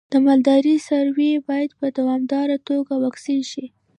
د مالدارۍ څاروی باید په دوامداره توګه واکسین شي.